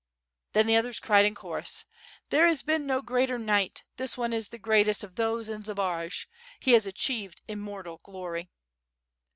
Then the others cried in chorus: "There has been no greater knight, this one is the greatest of those in Zbaraj. He has achieved immortal glory.''